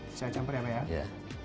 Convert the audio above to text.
bisa campur ya pak ya